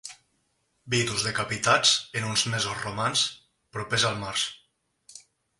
Vidus decapitats en uns mesos romans propers al març.